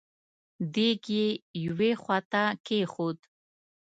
دېګ يې يوې خواته کېښود.